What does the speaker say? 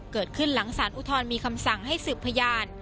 เกิดขึ้นหลังสารอุทธรณมีคำสั่งให้สืบพยาน